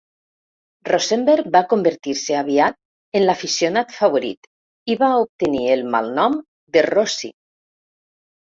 Rosenberg va convertir-se aviat en l'aficionat favorit i va obtenir el malnom de "Rosi".